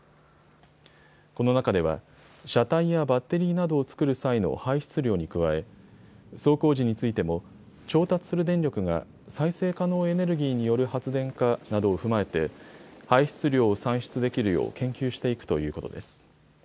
この中では車体やバッテリーなどを造る際の排出量に加え、走行時についても調達する電力が再生可能エネルギーによる発電かなどを踏まえて排出量を算出できるよう研究していくということです。